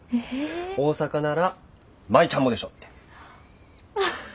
大阪なら舞ちゃんもでしょって。